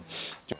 nah kita mulai